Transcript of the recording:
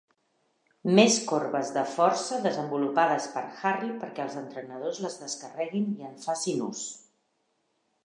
Més corbes de força desenvolupades per Harry perquè els entrenadors les descarreguin i en facin ús.